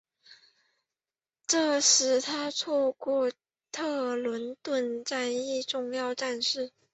这使他错过了特伦顿战役等重要战事。